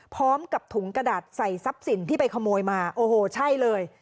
พร้อมกับถุงกระดาษใส่ทรัพย์สินที่ไปขโมยมาโอ้โหใช่เลย